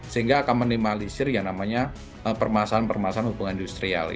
sehingga akan menimalisir yang namanya permasaan permasaan hubungan industrial